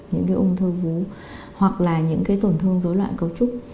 những cái ung thư vú hoặc là những cái tổn thương dối loạn cấu trúc